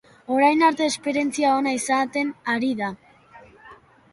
Orain arte, esperientzia ona izaten ari da.